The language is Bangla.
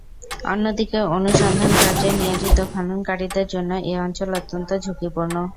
অন্যদিকে অনুসন্ধানকার্যে নিয়োজিত খননকারীদের জন্য এ অঞ্চল অত্যন্ত ঝুকিপূর্ণ।